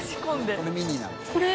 これミニなんです。